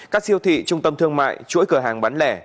các siêu thị trung tâm thương mại chuỗi cửa hàng bán lẻ